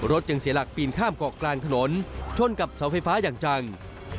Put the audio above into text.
จึงเสียหลักปีนข้ามเกาะกลางถนนชนกับเสาไฟฟ้าอย่างจัง